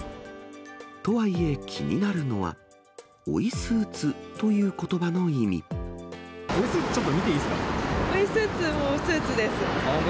とはいえ、気になるのは、追いスーツ、ちょっと見てい追いスーツもスーツです。